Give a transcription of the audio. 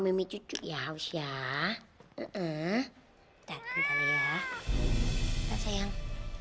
mimpi cucu ya usia eh dan saya sayang